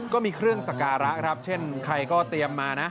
ก็มีเครื่องสการะครับเช่นใครก็เตรียมมานะ